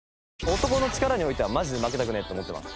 男の力においてはマジで負けたくねえって思ってます。